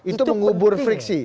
itu mengubur friksi